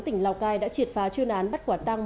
tỉnh lào cai đã triệt phá chuyên án bắt quả tăng